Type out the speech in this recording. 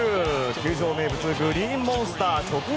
球場名物グリーンモンスター直撃。